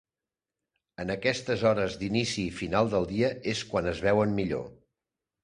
En aquestes hores d’inici i final del dia és quan es veuen millor.